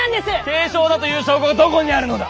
軽症だという証拠がどこにあるのだ！